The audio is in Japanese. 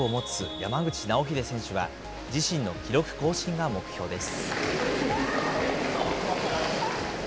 山口尚秀選手は、自身の記録更新が目標です。